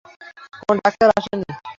কোনো ডাক্তার আসেনি।